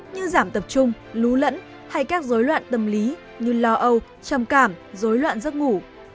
như giảm tập trung lún lẫn hay các dối loạn tâm lý như lo âu trầm cảm dối loạn giấc ngủ